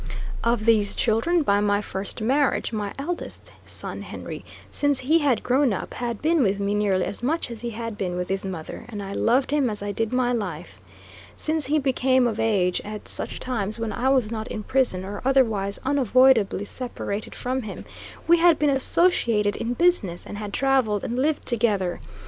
Of these children by my first marriage, my eldest son Henry, since he had grown up, had been with me nearly as much as he had been with his mother, and I loved him as I did my life. Since he became of age, at such times when I was not in prison, or otherwise unavoidably separated from him, we had been associated in business, and had traveled and lived together.